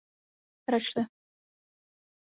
Račte.